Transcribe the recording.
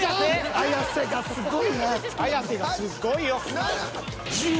綾瀬がすっごいよ。